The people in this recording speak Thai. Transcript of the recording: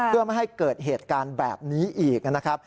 เพื่อไม่ให้เกิดเหตุการณ์แบบนี้อีกนะครับ